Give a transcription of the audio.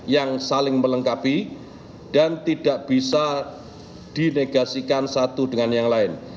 yang saling melengkapi dan tidak bisa dinegasikan satu dengan yang lain